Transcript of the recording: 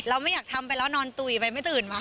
ไม่อยากทำไปแล้วนอนตุ๋ยไปไม่ตื่นมา